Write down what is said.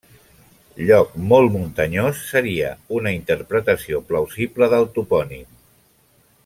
Lloc molt muntanyós seria una interpretació plausible del topònim.